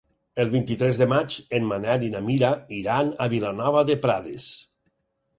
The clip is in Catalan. El vint-i-tres de maig en Manel i na Mira iran a Vilanova de Prades.